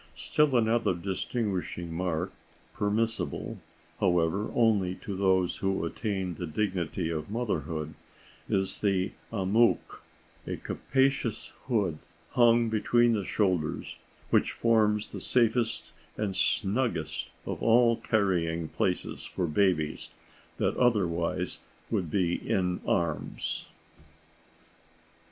Still another distinguishing mark, permissible, however, only to those who have attained the dignity of motherhood, is the amook, a capacious hood hung between the shoulders, which forms the safest and snuggest of all carrying places for babies that otherwise would be "in arms."